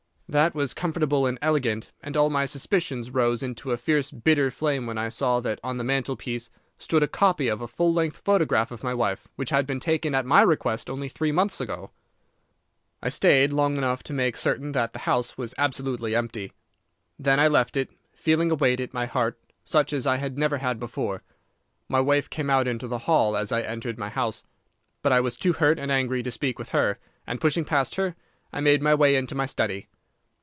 That was comfortable and elegant, and all my suspicions rose into a fierce bitter flame when I saw that on the mantelpiece stood a copy of a full length photograph of my wife, which had been taken at my request only three months ago. "I stayed long enough to make certain that the house was absolutely empty. Then I left it, feeling a weight at my heart such as I had never had before. My wife came out into the hall as I entered my house; but I was too hurt and angry to speak with her, and pushing past her, I made my way into my study.